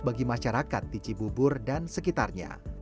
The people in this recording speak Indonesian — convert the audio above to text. bagi masyarakat tijibubur dan sekitarnya